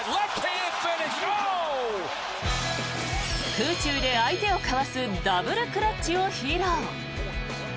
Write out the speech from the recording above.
空中で相手をかわすダブルクラッチを披露。